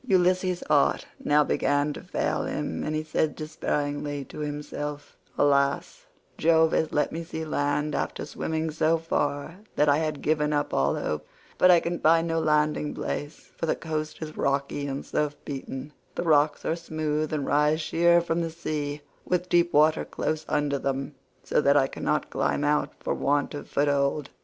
Ulysses' heart now began to fail him, and he said despairingly to himself, "Alas, Jove has let me see land after swimming so far that I had given up all hope, but I can find no landing place, for the coast is rocky and surf beaten, the rocks are smooth and rise sheer from the sea, with deep water close under them so that I cannot climb out for want of foot hold.